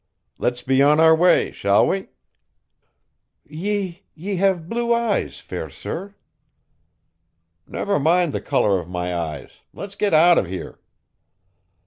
"Let's be on our way, shall we?" "Ye ... ye have blue eyes, fair sir." "Never mind the color of my eyes let's get out of here."